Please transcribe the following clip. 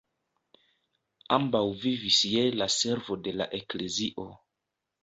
Ambaŭ vivis je la servo de la eklezio.